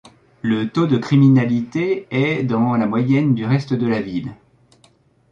Le taux de criminalité est dans la moyenne du reste de la ville.